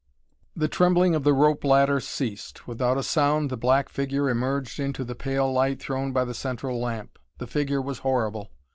The trembling of the rope ladder ceased. Without a sound the black figure emerged into the pale light thrown by the central lamp. The figure was horrible.